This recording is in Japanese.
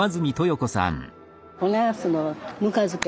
おナスのぬか漬け